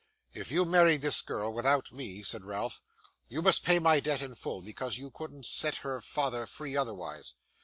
'If you married this girl without me,' said Ralph, 'you must pay my debt in full, because you couldn't set her father free otherwise.